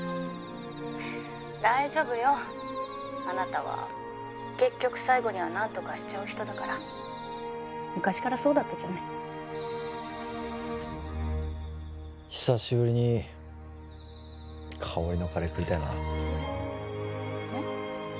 ☎大丈夫よあなたは☎結局最後には何とかしちゃう人だから昔からそうだったじゃない久しぶりに香織のカレー食いたいなえっ？